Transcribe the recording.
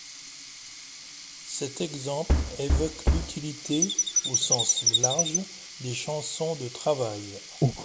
Cet exemple évoque l’utilité, au sens large, des chansons de travail.